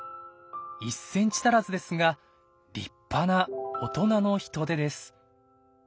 １センチ足らずですが立派な大人のヒトデです。